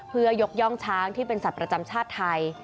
เพื่อยกย่องช้างที่เป็นสัตว์ประจำชาติไทย